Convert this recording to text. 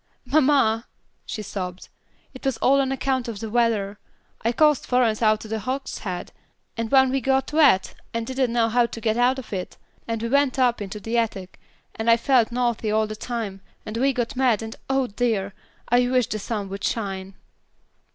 "Mamma," she sobbed, "it was all on account of the weather. I coaxed Florence out to the hogshead, and then we got wet, and didn't know how to get out of it, and we went up into the attic, and I felt naughty all the time, and we got mad, and oh dear! I wish the sun would shine."